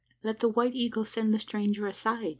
"Let the White Eagle send the stranger aside.